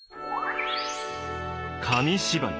紙芝居